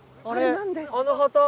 あれなんですか？